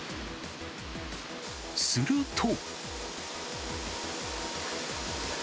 すると。